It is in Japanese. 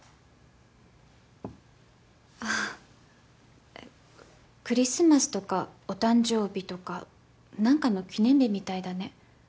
あっクリスマスとかお誕生日とかなんかの記念日みたいだね。